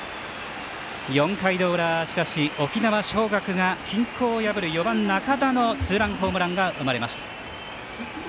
４回の裏、沖縄尚学が均衡を破る４番仲田のツーランホームランが生まれました。